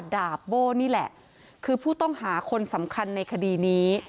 ดาบโบ้นี่แหละคือผู้ต้องหาคนสำคัญในคดีนี้